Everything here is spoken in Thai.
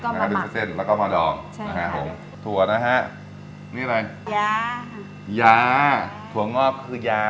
แล้วก็ดึงเส้นแล้วก็มาดองใช่นะฮะผมถั่วนะฮะนี่อะไรยายาถั่วงอกคือยา